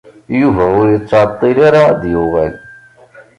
Yuba ur yettɛeṭṭil ara ad d-yuɣal.